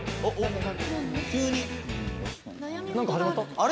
あれ？